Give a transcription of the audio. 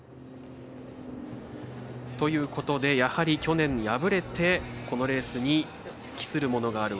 ということで、やはり去年、敗れて、このレースに期するものがある。